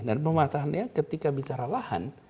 dan pemanfaatannya ketika bicara lahan